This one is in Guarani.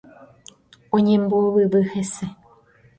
Oñembovyvy hese.